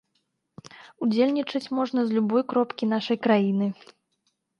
Удзельнічаць можна з любой кропкі нашай краіны.